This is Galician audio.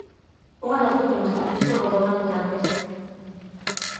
Unha das últimas que fixo rodouna en Budapest.